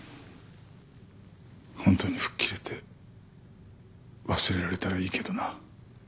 本当に吹っ切れて忘れられたらいいけどな。